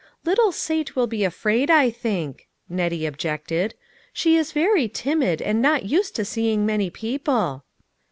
" Little Sate will be afraid, I think," Nettie objected. " She is very timid, and not used to seeing many people."